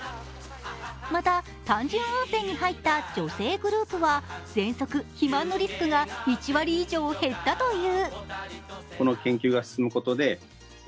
また、単純温泉に入った女性グループは、ぜんそく、肥満のリスクが１割以上減ったという。